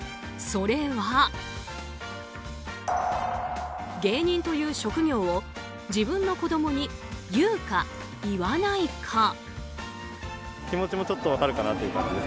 それは、芸人という職業を自分の子供に言うか、言わないか。